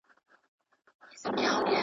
له کابله تر بنګاله یې وطن وو.